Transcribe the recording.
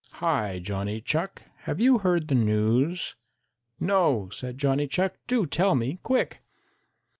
"Hi, Johnny Chuck, have you heard the news?" "No," said Johnny Chuck, "do tell me quick!"